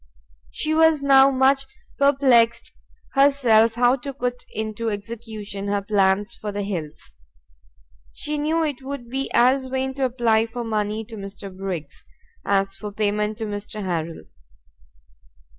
She was now much perplext herself how to put into execution her plans for the Hills: she knew it would be as vain to apply for money to Mr. Briggs, as for payment to Mr. Harrel.